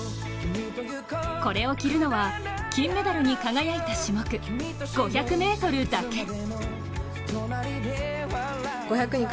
これを着るのは金メダルに輝いた種目、５００ｍだけ。